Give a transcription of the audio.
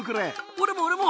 俺も俺も！